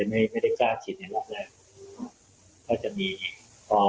ไม่ได้จ้าฉีดในรอบแรก